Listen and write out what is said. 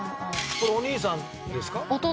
これお兄さんですか？